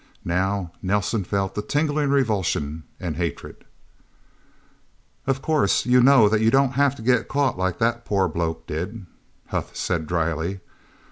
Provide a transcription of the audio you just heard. Now, Nelsen felt the tingling revulsion and hatred. "Of course you know that you don't have to get caught like that poor bloke did," Huth said dryly.